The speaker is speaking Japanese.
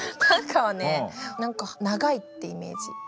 短歌はね何か長いってイメージ。